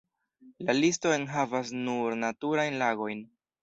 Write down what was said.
La listo enhavas nur naturajn lagojn.